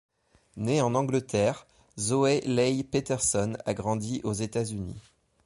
Née en Angleterre, Zoey Leigh Peterson a grandi aux États-Unis.